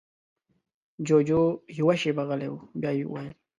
جُوجُو يوه شېبه غلی و، بيا يې وويل: